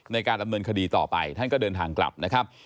ในการดำเนินคดีต่อไปท่านก็เดินทางกลับนะครับ